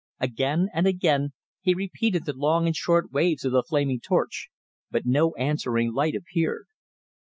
Again and again he repeated the long and short waves of the flaming torch, but no answering light appeared.